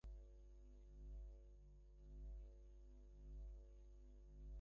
বক্তা বলিতে থাকেন আমরা হিন্দুধর্মাবলম্বীরা প্রেমের জন্য ভগবানকে ডাকায় বিশ্বাস করি।